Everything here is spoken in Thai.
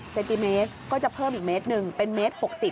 เซนติเมตรก็จะเพิ่มอีกเมตรหนึ่งเป็นเมตร๖๐